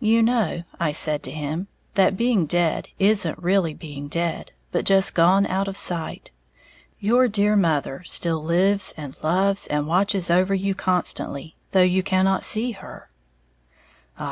"You know," I said to him, "that being dead isn't really being dead, but just gone out of sight. Your dear mother still lives and loves and watches over you constantly, though you cannot see her."